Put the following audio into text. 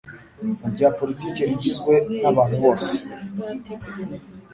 Mu bya politike rigizwe n abantu bose